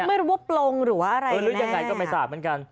ไม่รู้ว่าปลงหรือว่าอะไรแน่